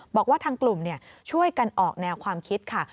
บอกว่าทางกลุ่มช่วยกันออกแนวความคิดค่ะ